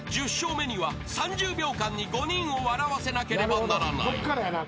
目には３０秒間に５人を笑わせなければならない］